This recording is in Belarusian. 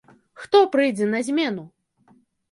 Хто прыйдзе на змену?